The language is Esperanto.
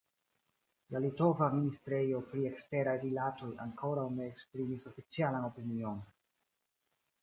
La litova ministrejo pri eksteraj rilatoj ankoraŭ ne esprimis oficialan opinion.